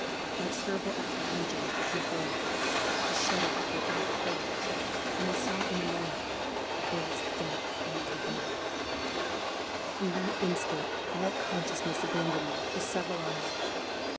My terrible apprehensions were confirmed: the shutters were all closed; and I saw in a moment that there was death in that abode! "From that instant all consciousness abandoned me for several hours.